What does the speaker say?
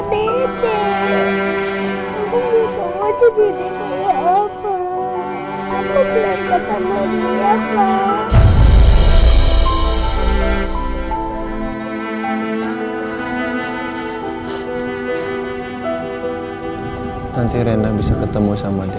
dia begitu dekat dengan mbak andi